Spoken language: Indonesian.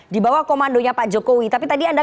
dibawah komandonya pak jokowi tapi tadi anda